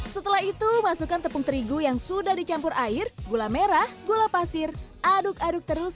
setelah itu masukkan tepung terigu yang sudah dicampur air gula merah gula pasir aduk aduk terus